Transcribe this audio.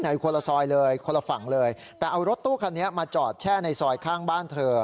คนละซอยเลยคนละฝั่งเลยแต่เอารถตู้คันนี้มาจอดแช่ในซอยข้างบ้านเธอ